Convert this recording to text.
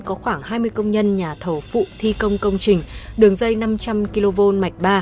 có khoảng hai mươi công nhân nhà thầu phụ thi công công trình đường dây năm trăm linh kv mạch ba